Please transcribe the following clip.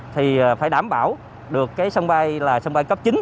thì phải đảm bảo được cái sân bay là sân bay cấp chín